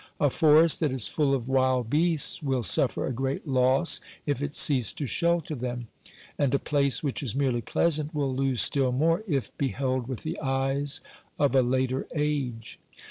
A forest that is full of wild beasts will suffer a great loss if it cease to shelter them, and a place which is merely pleasant will lose still more if be held with the eyes of a later age.